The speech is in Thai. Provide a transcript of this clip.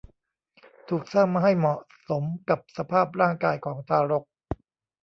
ถูกสร้างมาให้เหมาะสมกับสภาพร่างกายของทารก